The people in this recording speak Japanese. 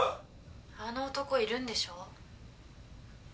あの男いるんでしょ？